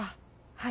はい。